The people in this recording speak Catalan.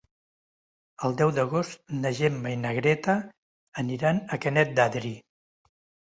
El deu d'agost na Gemma i na Greta aniran a Canet d'Adri.